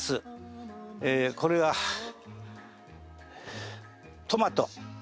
えーこれはトマト。